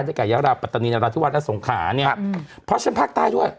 ด้วยกับยาวราบปัตตานีนราธิวัตรและสงขาเนี่ยเพราะฉะนั้นภาคใต้ด้วย